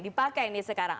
dipakai nih sekarang